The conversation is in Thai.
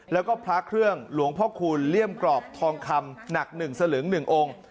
แล้วก็พระเครื่องหลวงพ่อคูณเลี่ยมกรอบทองคำหนัก๑สลึง๑องค์